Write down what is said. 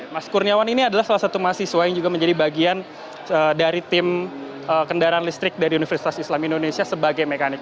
mas kurniawan ini adalah salah satu mahasiswa yang juga menjadi bagian dari tim kendaraan listrik dari universitas islam indonesia sebagai mekanik